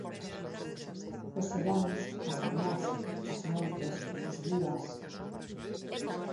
Os seráns, as mañás, as noites, os días...